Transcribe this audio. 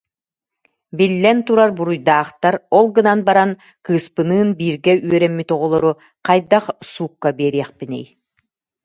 Биллэн турар буруйдаахтар, ол гынан баран кыыспыныын бииргэ үөрэммит оҕолору хайдах суукка биэриэхпиний